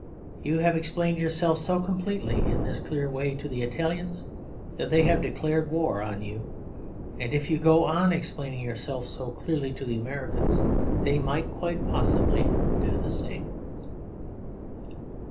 You have explained yourself so completely, in this clear way, to the Italians that they have declared war on you, and if you go on explaining yourself so clearly to the Americans they may quite possibly do the same.